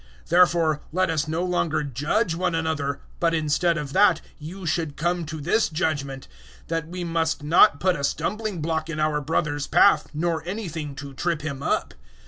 014:013 Therefore let us no longer judge one another; but, instead of that, you should come to this judgement that we must not put a stumbling block in our brother's path, nor anything to trip him up.